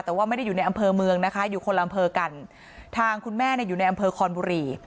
แต่ว่าไม่ได้อยู่ในอำเภอเมืองนะคะอยู่คนอำเภอกันทางคุณแม่เนี่ยอยู่ในอำเภอคอนบุรี